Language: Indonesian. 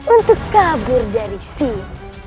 untuk kabur dari sini